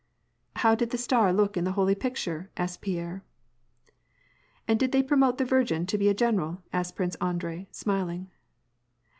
" How did the star look on the holy picture ?" asked Pierre. *" And did they promote the Virgin to be a general ?" asked Prince Andrei, smiling.